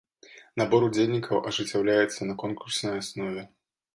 Набор удзельнікаў ажыццяўляецца на конкурснай аснове.